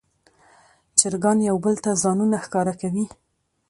چرګان یو بل ته ځانونه ښکاره کوي.